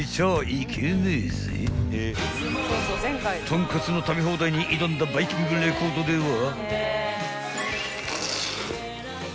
［とんかつの食べ放題に挑んだバイキングレコードでは］